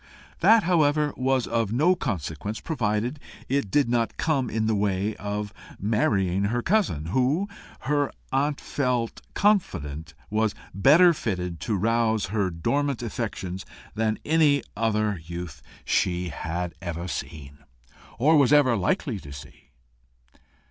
That, however, was of no consequence, provided it did not come in the way of marrying her cousin, who, her aunt felt confident, was better fitted to rouse her dormant affections than any other youth she had ever seen, or was ever likely to see.